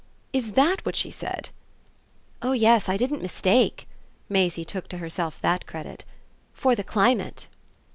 "Is that what she said?" "Oh yes, I didn't MISTAKE!" Maisie took to herself THAT credit. "For the climate."